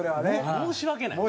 申し訳ない。